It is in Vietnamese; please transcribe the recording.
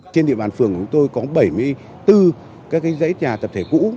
trên địa bàn phường của tôi có bảy mươi bốn các dãy nhà tập thể cũ